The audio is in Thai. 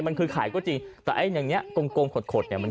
มันคือขายก็จริงแต่ไอ้อย่างเนี้ยกลมกลมขดขดเนี้ยมัน